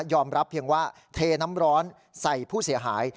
รับเพียงว่าเทน้ำร้อนใส่ผู้เสียหาย